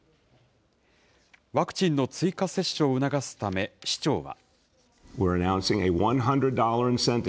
ワクチンの追加接種を促すため、市長は。